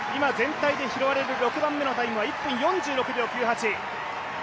今、タイムで拾われる６番目のタイムは１分４６秒９８。